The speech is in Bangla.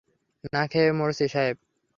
না খেয়ে মরছি, সাহেব।